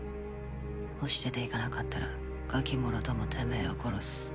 もし出ていかなかったらガキもろともてめぇを殺す。